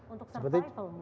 untuk serta itu